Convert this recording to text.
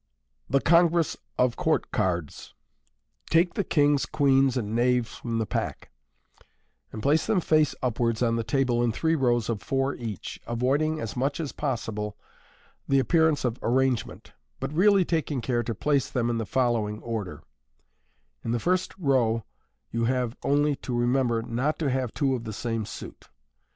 H §§ HHi f? usB ♦fit *ffi The Congress of Court Cards. — Take the kin^s, queens, and knaves from the pack, and place them fac^ up wards on the table in three rows of four each, avoiding as much as possible the appearance of ar rangement, but really taking care to place them in the following order : In the first row you have only to remember not to have two of the same suit.